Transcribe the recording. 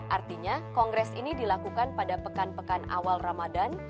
artinya kongres ini dilakukan pada pekan pekan awal ramadan